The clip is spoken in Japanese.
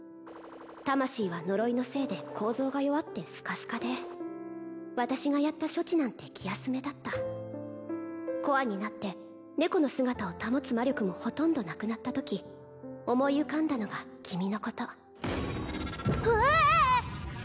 魂は呪いのせいで構造が弱ってスカスカで私がやった処置なんて気休めだったコアになって猫の姿を保つ魔力もほとんどなくなったとき思い浮かんだのが君のことうわああ！